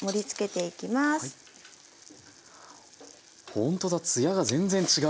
ほんとだツヤが全然違う！